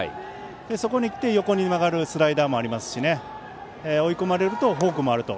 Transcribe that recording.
そこにきて横に曲がるスライダーもありますし追い込まれるとフォークもあると。